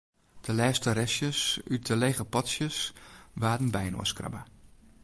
De lêste restjes út de lege potsjes waarden byinoarskrabbe.